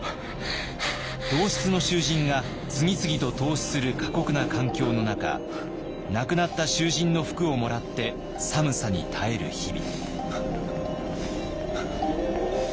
同室の囚人が次々と凍死する過酷な環境の中亡くなった囚人の服をもらって寒さに耐える日々。